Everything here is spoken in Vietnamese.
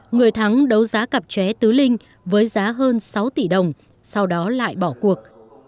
người thắng đấu giá cặp chế tứ linh với giá hơn sáu tỷ đồng sau đó lại bỏ cuộc